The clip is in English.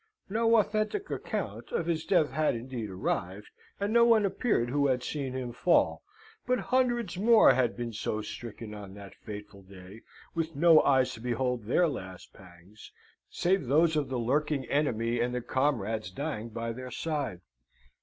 No authentic account of his death had indeed arrived, and no one appeared who had seen him fall; but hundreds more had been so stricken on that fatal day, with no eyes to behold their last pangs, save those of the lurking enemy and the comrades dying by their side.